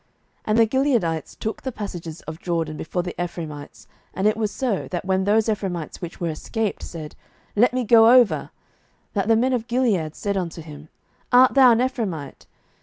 07:012:005 And the Gileadites took the passages of Jordan before the Ephraimites: and it was so, that when those Ephraimites which were escaped said, Let me go over; that the men of Gilead said unto him, Art thou an Ephraimite?